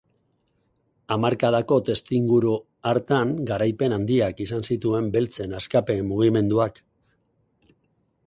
Hamarkadako testuinguru hartan garaipen handiak izan zituen beltzen askapen mugimenduak.